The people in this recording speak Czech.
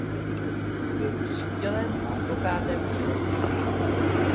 Byl přítelem a advokátem Jana Husa.